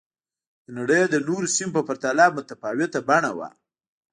د نړۍ د نورو سیمو په پرتله متفاوته بڼه وه